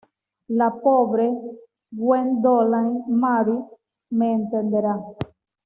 La pobre Gwendoline Mary me entenderá.